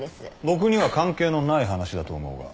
僕には関係のない話だと思うが。